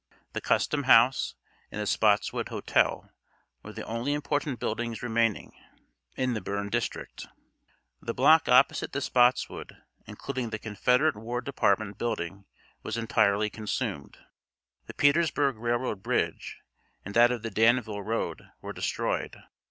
The custom house and the Spotswood Hotel were the only important buildings remaining in the burned district. The block opposite the Spotswood, including the Confederate War Department building, was entirely consumed. The Petersburg Railroad bridge, and that of the Danville road, were destroyed.